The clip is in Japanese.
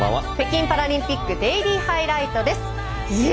北京パラリンピックデイリーハイライトです。